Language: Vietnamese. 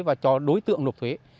và cho đối tượng nộp thuế